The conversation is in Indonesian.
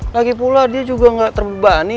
lagi pula dia juga nggak terbebani